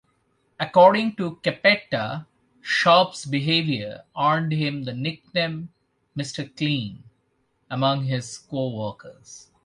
According to Cappetta, Sharpe's behavior earned him the nickname "Mr. Clean" among his co-workers.